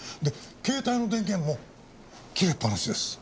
携帯の電源も切れっぱなしです。